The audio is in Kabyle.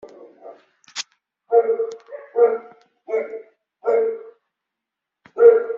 Ur yelha ara usewɛed ɣer wiyaḍ.